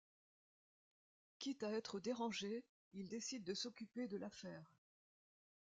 Quitte à être dérangé, il décide de s'occuper de l'affaire...